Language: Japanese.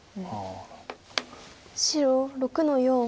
白６の四。